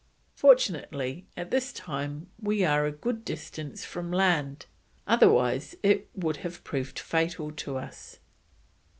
Fortunately at this time we were a good distance from land, otherwise it would have proved fatal to us."